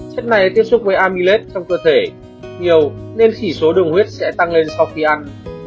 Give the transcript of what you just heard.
chất này tiếp xúc với amillet trong cơ thể nhiều nên chỉ số đường huyết sẽ tăng lên sau khi ăn